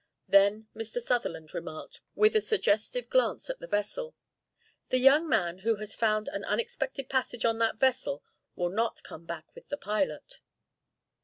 Then Mr. Sutherland remarked, with a suggestive glance at the vessel: "The young man who has found an unexpected passage on that vessel will not come back with the pilot."